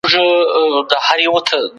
هغوی د تمدن په پراختیا کې برخه اخیستې.